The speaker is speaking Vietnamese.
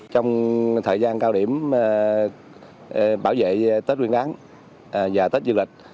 trong thời gian cao điểm bảo vệ tết nguyên án và tết du lịch